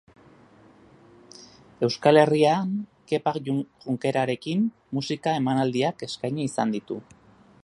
Euskal Herrian Kepa Junkerarekin musika emanaldiak eskaini izan ditu.